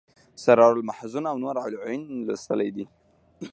سرور المحزون او نور العیون لوستلی دی.